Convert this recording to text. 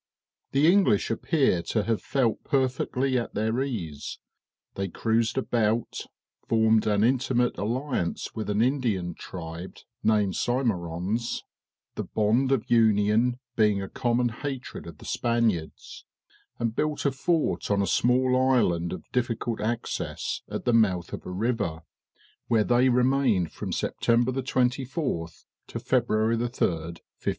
The English appear to have felt perfectly at their ease; they cruised about, formed an intimate alliance with an Indian tribe, named Symerons, the bond of union being a common hatred of the Spaniards, and built a fort on a small island of difficult access, at the mouth of a river, where they remained from September 24 to February 3, 1573.